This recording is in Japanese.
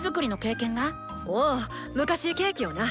おお昔ケーキをな。